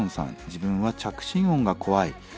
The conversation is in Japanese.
「自分は着信音が怖い」。